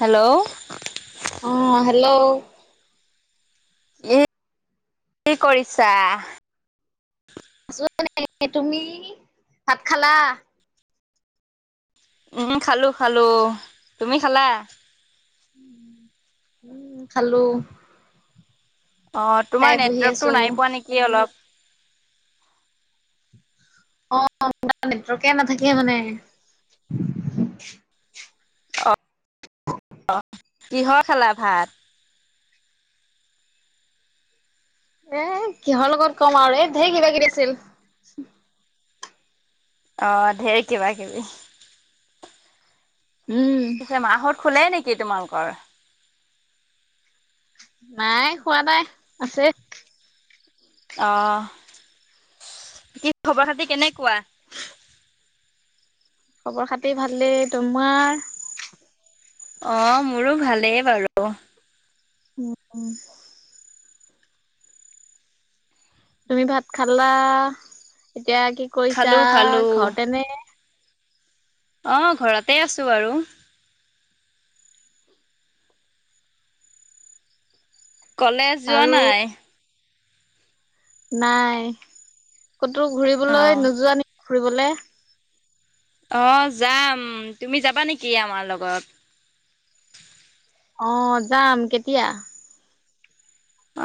Hello অ', hello এ, কি কৰিছা? আছ ন, তুমি ভাত খালা? উম খালো, খালো, তুমি খালা? উম, খালো। অ', তোমাৰ খাই বহি আছো নেটৱৰ্কতটো নাই পোৱা নেকি অলপ অ', নেটৱৰ্কে নাথাকে মানে অ', কিহৰ খালা ভাত? এ কিহৰ লগত ক'ম, আৰু এ ধঢেৰ কিবা কিবি আছিল অ', ঢেৰ কিবা কিবি উম পিছে মাহত শুলে নেকি? তোমালোকৰ নাই শুৱা নাই। আছে। অ', কি খবৰ খাতি কেনেকুৱা? খবৰ খাতি ভালেই। তোমাৰ? অ', মোৰো ভালেই বাৰু। উম। তুমি ভাত খালা। এতিয়া কি কৰিছা খালো খালো ঘৰতে নে? অ', ঘৰতেই আছো আৰু। কলেজ যোৱা আৰু নাই। নাই ক'তো অ ঘুৰিবলৈ নোযোৱা নেকি ঘুৰিবলে? অ', যাম, তুমি যাবা নেকি আমাৰ লগত? অ', যাম। কেতিয়া?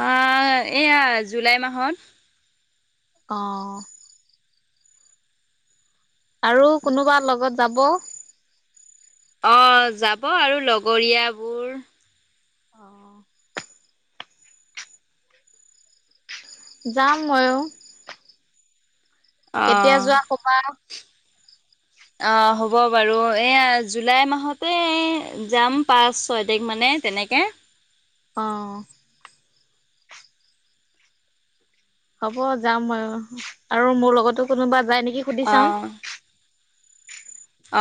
অ', এইয়া জুলাই মাহত। অহ। আৰু কোনোবা লগত যাব? অ', যাব আৰু। লগৰীয়া বোৰ। অহ। যাম ময়ো। কেতিয়া অ'। যোৱা কবা। অ', হ'ব বাৰু। এইয়া জুলাই মাহতে যাম পাঁচ ছয় তাৰিখ মানে। তেনেকে। অহ। হ'ব যাম আৰু। মোৰ লগতো কোনোবা যায় নেকি সুধি চাম অহ।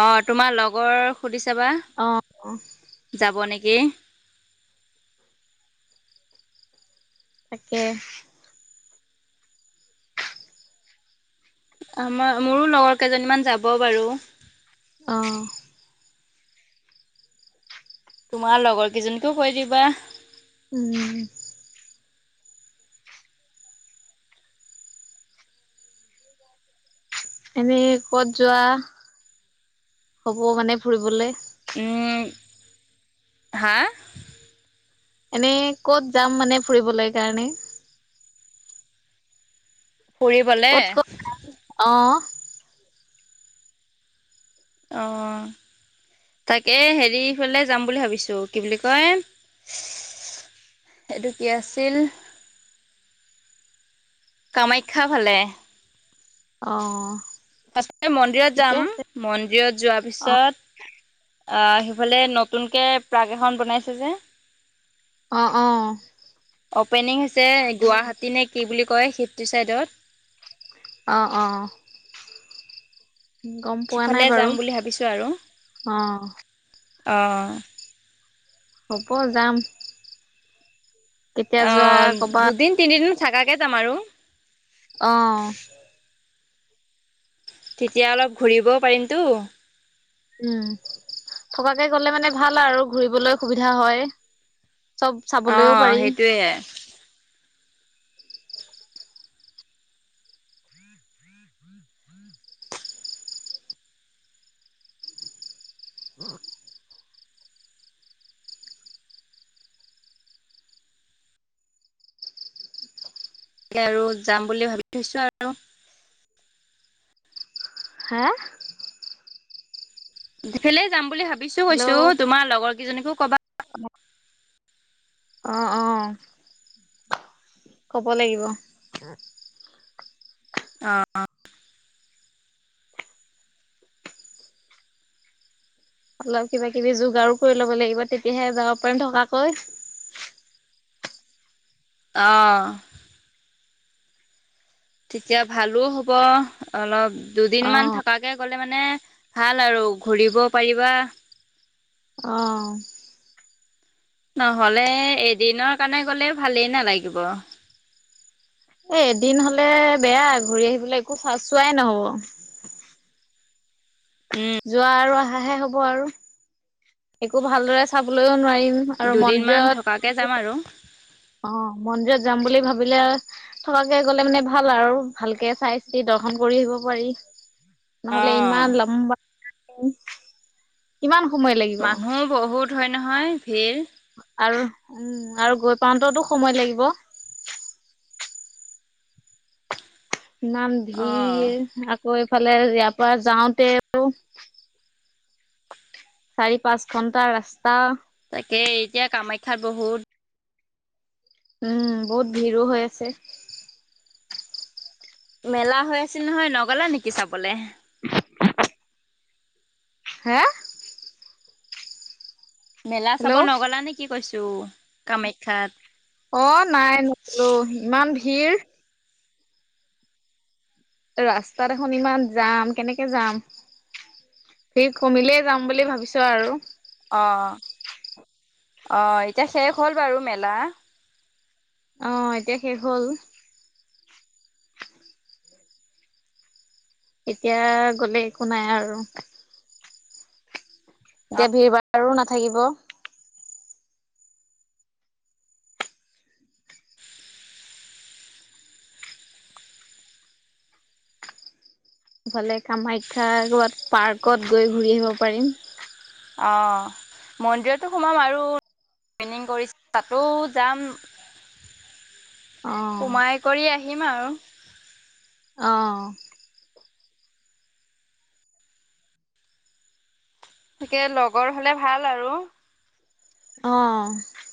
অ', তোমাৰ লগৰ সুধি চাবা। অ', অহ। যাব নেকি? তাকেই। আমাৰ, মোৰো লগৰ কেইজনীমান যাব বাৰু। অহ। তোমাৰ লগৰ কেইজনীকো কৈ দিবা। উম। এনেই ক'ত যোৱা হ'ব মানে ফুৰিবলে? উম। হা? এনেই ক'ত যাম মানে, ফুৰিবলৈ কাৰণে। ফুৰিবলে? অহ। অহ। তাকে, হেৰি ফালে যাম বুলি ভাবিছো। কি বুলি কয়? সেইটো কি আছিল? কামাখ্যা ফালে। অহ। তাতেই মন্দিৰত যাম, মন্দিৰত যোৱাৰ অ পিছত পিছত আহ সেইফালে নতুনকে প্ৰাক এখন বনাইছে যে। অ', অ। অপেনিং হৈছে গুৱাহাটী নে কি বুলি কয় সিটো ছাইডত। অ', অ। গম পোৱা নাই সিফালে বাৰু যাম বুলি ভাবিছোঁ আৰু। অ অহ। হ'ব যাম। কেতিয়া যোৱা অ', কবা দুদিন তিনিদিন থাকাকৈ যাম আৰু। অহ। তেতিয়া অলপ ঘূৰিবও পাৰিমতো। উম, থকাকে গ'লে মানে ভাল আৰু ঘুৰিবলৈ সুবিধা হয়। চব অ চাবলৈও পাৰি। [unintelligible] [unintelligible] আৰু যাম বুলি ভাবি থৈছো আৰু। হে। ইফালে যাম বুলি ভাবিছোঁ কৈছোঁ তোমাৰ লগৰ কেইজনীকো কবা। অ'। অ', অ'। ক'ব লাগিব। অ'। অলপ কিবা কিবি যোগাৰু কৰি ল'ব লাগিব তেতিয়াহে যাব পাৰিম থকাকৈ। অ'। তেতিয়া ভালো হ'ব অলপ দুদিন অ মান থাক থকাকে গলে মানে ভাল আৰু ঘূৰিব পাৰিবা। অ'। নহলে এদিনৰ কাৰণে গলে ভালেই নালাগিব। এ এদিন হলে বেয়া ঘূৰি আহিবলৈ একো চাই চোৱাই নহব। উম। যোৱা আৰু আহাহে হ'ব আৰু। একো ভালদৰে চাবলৈও নোৱাৰিম আৰু মন্দিৰত। তাকে যাম আৰু। অ', মন্দিৰত যাম বুলি ভাবিলে থকাকে গ'লে মানে ভাল আৰু ভালকে চাই চিতি দৰ্শন কৰি আহিব পাৰি। নহলে অঁ ইমান লম্বা কিমান সময় লাগিব! মানুহ বহুত হয় নহয় ভিৰ। আৰু উম আৰু গৈ পাওতেতো সময় লাগিব। নাম অঁ ধিৰ আকৌ এইফালে ইয়াৰ পৰা যাওঁতেও চাৰি পাঁচ ঘন্টা ৰাস্তা। তাকে এতিয়া কামাখ্যাত বহুত উম, বহুত ভিৰো হৈ আছে। মেলা হৈ আছিল নহয় নগলা নেকি চাবলে? [inaudible] হে মেলা চাব হেল্ল' নগ'লা নে কি কৈছোঁ কামাখ্যাত। অ', নাই নগলো ইমান ভিৰ। ৰাস্তাত দেখোন ইমান জাম কেনেকে যাম। ভিৰ কমিলেই যাম বুলি ভাবিছোঁ আৰু। অ', অ' এতিয়া শেষ হ'ল বাৰু মেলা। অ' এতিয়া শেষ হ'ল। এতিয়া গলে একো নাই আৰু। এতিয়া ভিৰ ভাৰো নাথাকিব। [inaudible] ইফালে, কামাখ্যা ক'ৰবাত পাৰ্কত গৈ ঘূৰি আহিব পাৰিম। অ' মন্দিৰতো সোমাম আৰু ট্ৰেইনিং কৰিছিল তাতো যাম। অ সোমাই কৰি আহিম আৰু। অ'। তাকে লগৰ হলে ভাল আৰু। অ'।